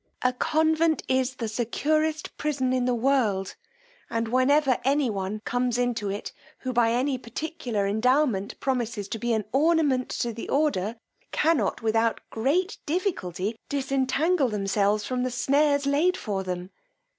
A convent is the securest prison in the world; and whenever any one comes into it, who by any particular endowment promises to be an ornament to the order, cannot, without great difficulty, disentangle themselves from the snares laid for them.